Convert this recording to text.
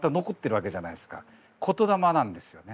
言霊なんですよね。